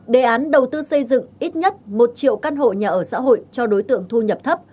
đề án đầu tư xây dựng ít nhất một triệu căn hộ nhà ở xã hội cho đối tượng thu nhập thấp